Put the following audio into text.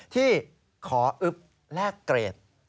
ที่ขออึ๊บแลกเกรด